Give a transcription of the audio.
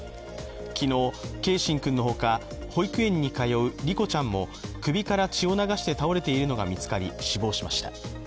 昨日、継真君のほか保育園に通う梨心ちゃんも首から血を流して倒れているのが見つかり、死亡しました。